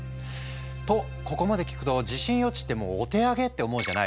とここまで聞くと地震予知ってもうお手上げって思うじゃない？